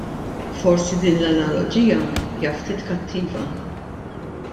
Forsi din l-analoġija hija ftit kattiva.